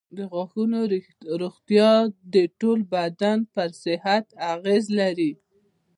د غاښونو روغتیا د ټول بدن پر صحت اغېز لري.